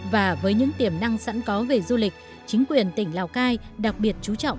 và với những tiềm năng sẵn có về du lịch chính quyền tỉnh lào cai đặc biệt chú trọng